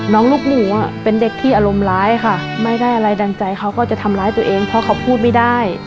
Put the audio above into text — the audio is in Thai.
ลูกหมูเป็นเด็กที่อารมณ์ร้ายค่ะไม่ได้อะไรดังใจเขาก็จะทำร้ายตัวเองเพราะเขาพูดไม่ได้